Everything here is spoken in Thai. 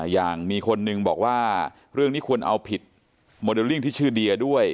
อย่างมีคนหนึ่งบอกว่าเรื่องนี้ควรเอาผิดโมเดลลิ่งที่ชื่อเดียด้วย